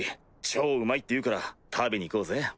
超うまいっていうから食べに行こうぜ。